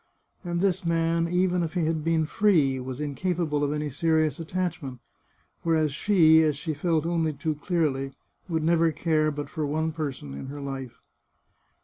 And this man, even if he had been free, was incapable of any serious attachment, whereas she, as she felt only too clearly, would never care but for one person in her life.